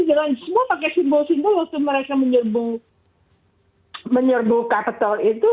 semua pakai simbol simbol untuk mereka menyerbu kapital itu